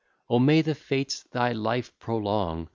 O may the fates thy life prolong!